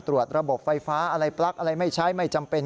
ตรวจระบบไฟฟ้าอะไรปลั๊กอะไรไม่ใช้ไม่จำเป็น